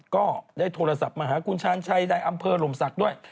ก็ได้โทรศัพท์มาหาคุณชาญชัยในอำเภอลมศักดิ์ด้วย